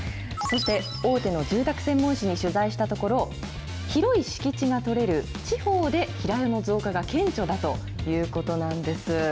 大手の住宅専門誌に取材したところ、広い敷地が取れる地方で、平屋の増加が顕著だということなんです。